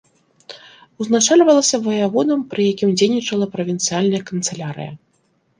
Узначальвалася ваяводам пры якім дзейнічала правінцыяльная канцылярыя.